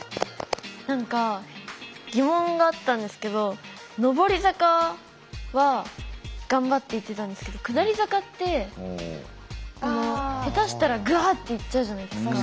何か疑問があったんですけど上り坂は頑張っていってたんですけど下り坂って下手したらぐわって行っちゃうじゃないですか。